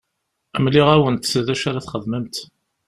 Mliɣ-awent d acu ara txedmemt.